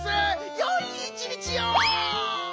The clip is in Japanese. よい一日を！